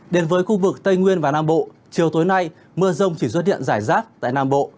đến với khu vực tây nguyên và nam bộ chiều tối nay mưa rông chỉ rốt điện giải rác tại nam bộ